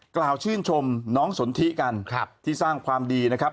กล่าวชื่นชมน้องสนทิกันที่สร้างความดีนะครับ